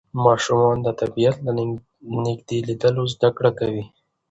ماشومان د طبیعت له نږدې لیدلو زده کړه کوي